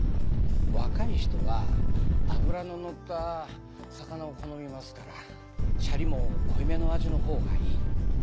若い人は脂ののった魚を好みますからシャリも濃いめの味のほうがいい。